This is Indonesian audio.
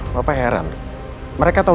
papa heran mereka tahu